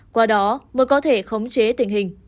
qua đó mới có thể khống chế tình hình